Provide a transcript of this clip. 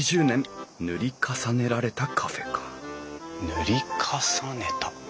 塗り重ねた。